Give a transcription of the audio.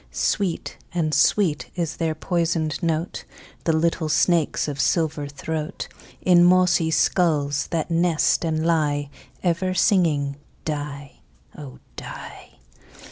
Sweet and sweet is their poisoned note, The little snakes' of silver throat, In mossy skulls that nest and lie, Ever singing "die, oh! die."